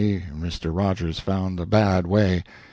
Mr. Rogers found a bad way.